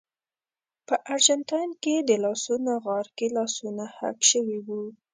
په ارجنټاین کې د لاسونو غار کې لاسونه حک شوي وو.